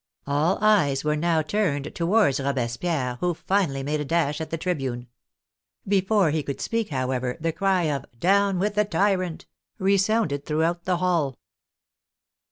All eyes were now turned towards Robespieri e, who finally made a dash at the tribune. Before he could speak, however, the cry of " Down with the tyrant !" resounded throughout the hall.